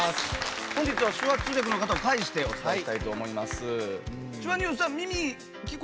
本日は手話通訳の方を介してお伝えしたいと思います。